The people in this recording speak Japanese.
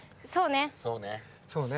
そうね。